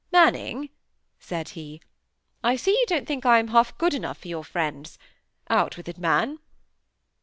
"Manning," said he, "I see you don't think I am half good enough for your friends. Out with it, man."